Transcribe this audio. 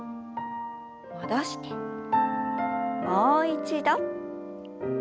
戻してもう一度。